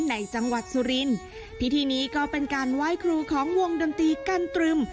ในจังหวัดสุรินทร์พิธีนี้ก็เป็นการไหว้ครูของวงดนตรีกันตรึม